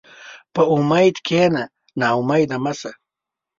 په امید کښېنه، ناامیده مه شه.